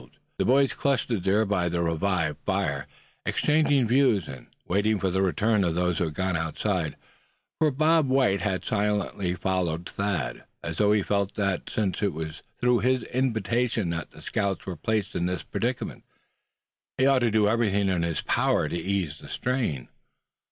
The other boys clustered there by the revived fire, exchanging views, and waiting for the return of those who had gone outside; for Bob White had silently followed Thad, as though he felt that since it was through his invitation that the scouts were placed in this predicament, he ought to do everything in his power to ease the strain.